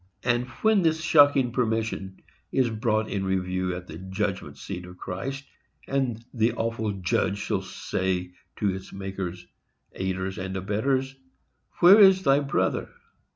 And, when this shocking permission is brought in review at the judgment seat of Christ, and the awful Judge shall say to its makers, aiders, and abettors, Where is thy brother?